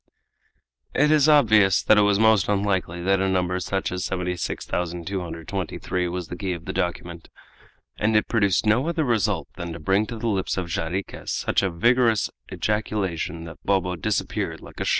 It is obvious that it was most unlikely that a number such as 76223 was the key of the document, and it produced no other result than to bring to the lips of Jarriquez such a vigorous ejaculation that Bobo disappeared like a shot!